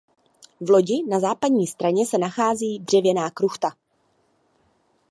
V lodi na západní straně se nachází dřevěná kruchta.